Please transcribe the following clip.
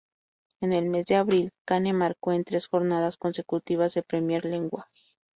En el mes de abril, Kane marcó en tres jornadas consecutivas de Premier League.